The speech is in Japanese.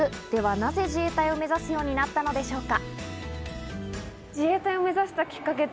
なぜ自衛隊を目指すようになったのでしょうか？